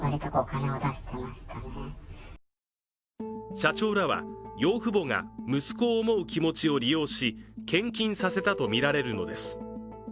社長らは養父母が息子を思う気持ちを利用し、献金させたとみられるのです。